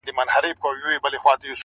هر یو زوی به دي له ورور سره دښمن وي-